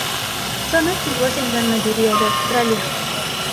Son nativos en gran mayoría de Australia.